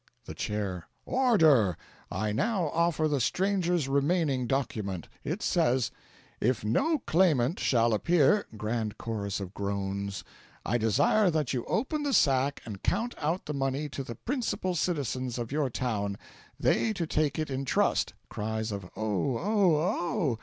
The Chair. "Order! I now offer the stranger's remaining document. It says: 'If no claimant shall appear (grand chorus of groans), I desire that you open the sack and count out the money to the principal citizens of your town, they to take it in trust (Cries of "Oh! Oh! Oh!")